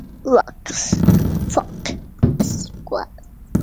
fundamentada